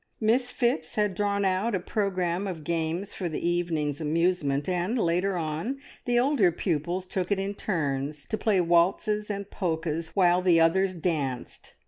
Miss Phipps had drawn out a programme of games for the evening's amusement, and later on the older pupils took it in turns to play waltzes and polkas, while the others danced.